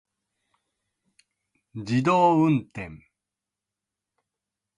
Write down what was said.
自動運転